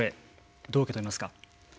どう受け止めますか。